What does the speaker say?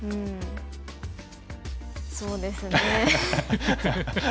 そうですね。